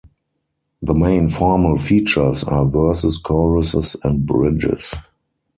The main formal features are verses, choruses, and bridges.